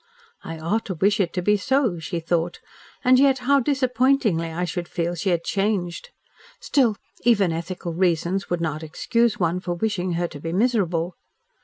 "I ought to wish it to be so," she thought, "and, yet, how disappointingly I should feel she had changed. Still, even ethical reasons would not excuse one for wishing her to be miserable."